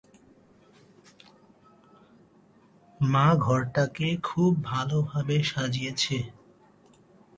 মা ঘরটাকে খুব ভালোভাবে সাজিয়েছে।